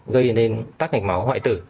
gây nên tắt mạch máu hoại tử